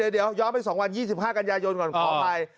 เดี๋ยวย้อนไป๒วัน๒๕กันยายนก่อนขออภัย